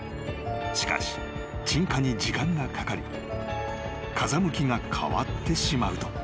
［しかし鎮火に時間がかかり風向きが変わってしまうと］